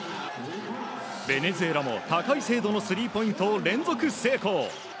ベネズエラも高い精度のスリーポイントを連続成功。